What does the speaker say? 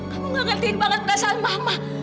kamu gak ngertiin banget perasaan mama